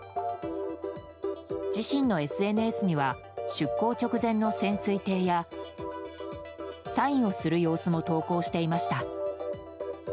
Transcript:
自身のＳＮＳには出航直前の潜水艇やサインをする様子も投稿していました。